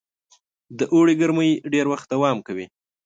د اوړي ګرمۍ ډېر وخت دوام کوي.